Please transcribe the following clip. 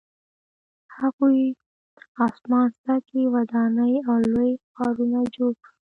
هغوی اسمان څکې ودانۍ او لوی ښارونه جوړ کړل